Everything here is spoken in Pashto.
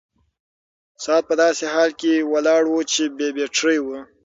ساعت په داسې حال کې ولاړ و چې بې بيټرۍ و.